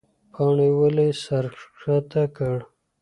پاڼې ولې سر ښکته کړ؟